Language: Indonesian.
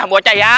he bocah ya